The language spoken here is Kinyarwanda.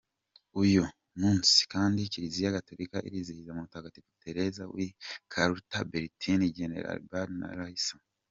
Uyu munsi kandi Kiliziya gatolika irizihiza mutagatifu Tereza wi Calcutta, Bertin, Genebald na Raissa.